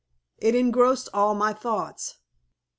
It engrossed all my thoughts.